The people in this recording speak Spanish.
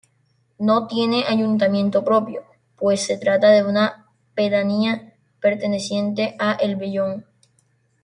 No tiene ayuntamiento propio, pues se trata de una pedanía perteneciente a El Vellón.